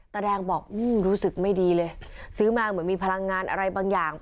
ตาแดงบอกรู้สึกไม่ดีเลยซื้อมาเหมือนมีพลังงานอะไรบางอย่าง